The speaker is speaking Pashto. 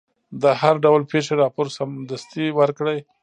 د هر ډول پېښې راپور سمدستي ورکړئ.